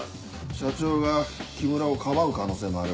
社長が木村をかばう可能性もある。